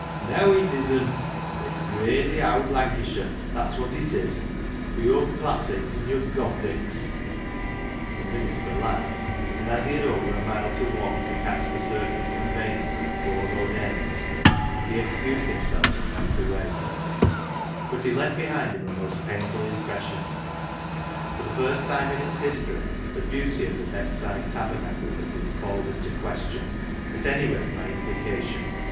" Neaw, it isn't ; it's gradely owd Lancashire, that's wot it is — wi' yo'r classics ! an' yo'r Gothics !" The minister laughed, and as he had over a mile to walk to catch the circuit conveyance at the fcnu road ends, he excused himself and went away. 28o CLOG SHOP CHRONICLES But he left behind him a most painful im pression. For the first time in its history the beauty of the Beckside tabernacle had been called into question, at anyrate by implication.